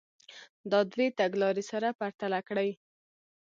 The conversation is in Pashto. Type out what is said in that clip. دا دوې تګ لارې سره پرتله کړئ.